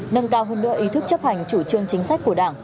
nâng cao hơn nữa ý thức chấp hành chủ trương chính sách của đảng